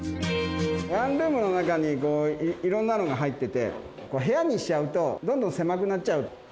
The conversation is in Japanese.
ワンルームの中に、いろんなのが入ってて、部屋にしちゃうと、どんどん狭くなっちゃう。